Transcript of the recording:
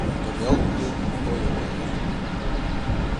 Торъял вӱдет - той окаэт